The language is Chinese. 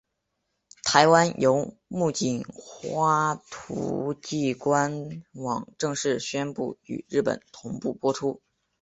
台湾由木棉花国际官网正式宣布与日本同步播出。